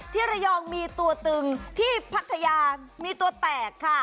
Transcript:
ที่ระยองมีตัวตึงที่พัทยามีตัวแตกค่ะ